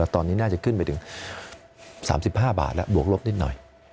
ตอนนี้น่าจะขึ้นไปถึง๓๕บาทแล้วบวกลบนิดหน่อย